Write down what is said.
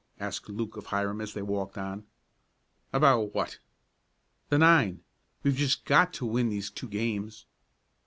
asked Luke of Hiram as they walked on. "About what?" "The nine. We've just got to win these two games."